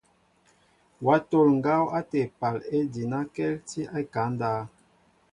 Wa tol ŋgaw ate épaal ejinaŋkɛltinɛ a ekaŋ ndáw.